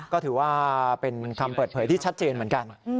ก็ถือว่าเป็นคำเปิดเผยที่ชัดเจนเหมือนกัน